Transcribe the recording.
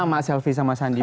dia selalu selfie sama sandi